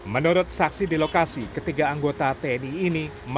menurut saksi di lokasi ketiga anggota tni ini